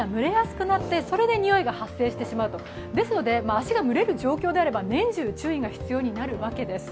足が蒸れる状況であれば年中、注意が必要になるわけです。